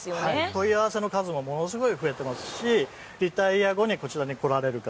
問い合わせの数もものすごい増えていますしリタイア後にこちらに来られる方